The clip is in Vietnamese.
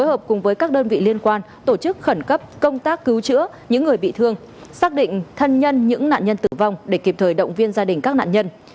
hợp cùng với các đơn vị liên quan tổ chức khẩn cấp công tác cứu chữa những người bị thương xác định thân nhân những nạn nhân tử vong để kịp thời động viên gia đình các nạn nhân